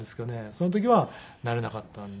その時はなれなかったんで。